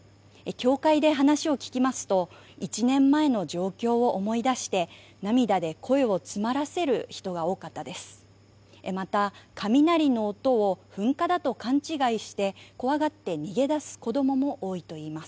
教会で話を聞きますと１年前の状況を思い出して涙で声を詰まらせる人が多かったです。